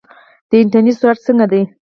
د انټرنیټ سرعت څنګه دی؟